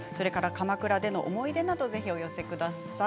鎌倉での思い出などをぜひお寄せください。